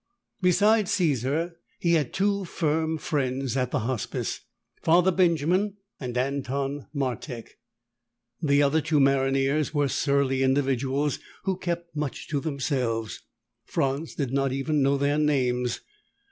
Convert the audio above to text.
Besides Caesar, he had two firm friends at the Hospice, Father Benjamin and Anton Martek. The other two maronniers were surly individuals who kept much to themselves. Franz did not even know their names.